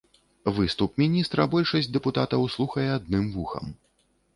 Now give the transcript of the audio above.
Выступ міністра большасць дэпутатаў слухае адным вухам.